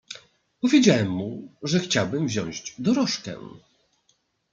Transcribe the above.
"Powiedziałem mu, że chciałbym wziąć dorożkę."